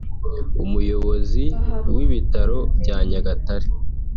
Umuyobozi w’Ibitaro bya Nyagatare